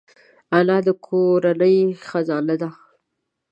انا د کورنۍ خزانه ده